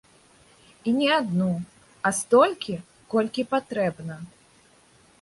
І не адну, а столькі, колькі патрэбна.